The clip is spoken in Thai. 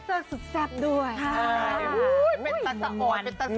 โปรดติดตามต่อไป